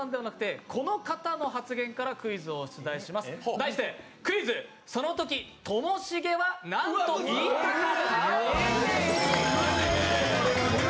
題してクイズ「そのとき、ともしげは何と言いたかった？」